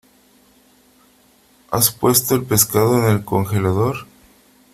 ¿Has puesto el pescado en el congelador?